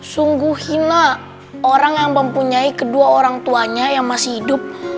sungguh hina orang yang mempunyai kedua orang tuanya yang masih hidup